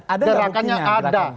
ada gerakannya ada